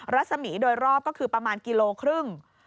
รัศมีร์โดยรอบก็คือประมาณกิโลครึ่ง